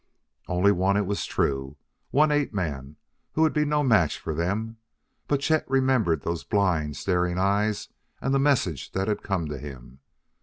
Only one, it was true, one ape man who would be no match for them! But Chet remembered those blind, staring eyes and the message that had come to him.